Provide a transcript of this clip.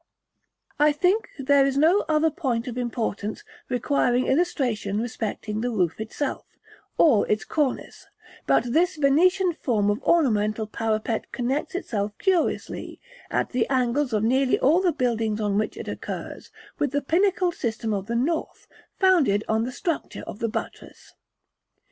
I think there is no other point of importance requiring illustration respecting the roof itself, or its cornice: but this Venetian form of ornamental parapet connects itself curiously, at the angles of nearly all the buildings on which it occurs, with the pinnacled system of the north, founded on the structure of the buttress.